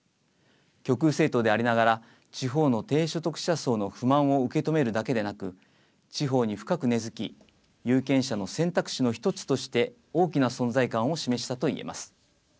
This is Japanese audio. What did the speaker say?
極右政党でありながら地方の低所得者層の不満を受け止めるだけなく地方に深く根づき有権者の選択肢の一つとして大きな存在感を示したといえます。